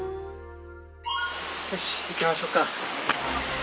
よし行きましょうか。